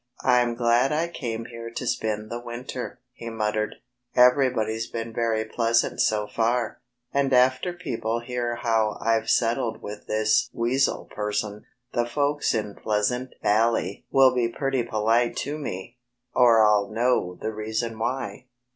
"I'm glad I came here to spend the winter," he muttered. "Everybody's been very pleasant so far. And after people hear how I've settled with this Weasel person the folks in Pleasant Valley will be pretty polite to me, or I'll know the reason why."